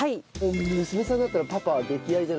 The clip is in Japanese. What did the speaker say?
娘さんだったらパパ溺愛じゃないんですか？